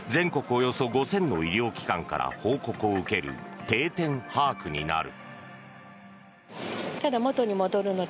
およそ５０００の医療機関から報告を受ける定点把握になる。